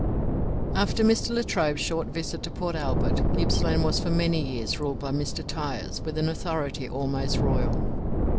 After Mr. Latrobe's short visit to Port Albert, Gippsland was for many years ruled by Mr. Tyers with an authority almost royal.